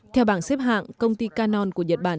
theo bảng xếp hạng công ty canon của nhật bản